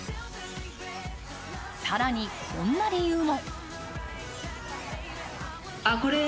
更にこんな理由も。